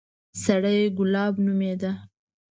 سړى ګلاب نومېده.